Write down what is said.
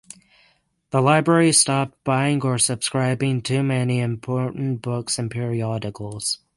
The Library stopped buying or subscribing to many important books and periodicals.